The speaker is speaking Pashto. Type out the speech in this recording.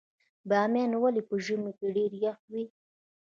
بامیان ولې په ژمي کې ډیر یخ وي؟